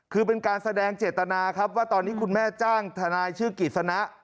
คือเป็นการแสดงเจตนาครับว่าตอนนี้คุณแม่จ้างทนายชื่อกิจสนะ